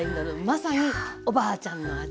まさにおばあちゃんの味。